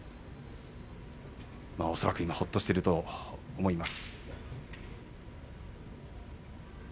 恐らく今ほっとしていると思います。